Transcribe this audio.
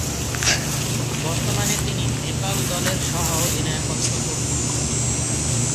বর্তমানে তিনি নেপাল দলের সহঃ অধিনায়কত্ব করছেন।